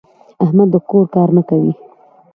احمد د کور کار نه کوي.